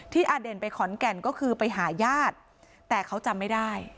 อเด่นไปขอนแก่นก็คือไปหาญาติแต่เขาจำไม่ได้